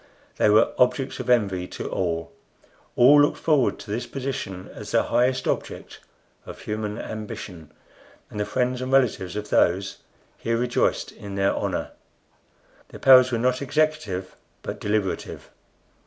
They were objects of envy to all. All looked forward to this position as the highest object of human ambition, and the friends and relatives of those here rejoiced in their honor. Their powers were not executive, but deliberative.